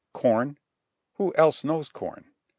Corn? Who else knows corn?